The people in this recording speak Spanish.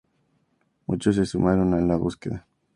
Muchos se sumaron a la búsqueda.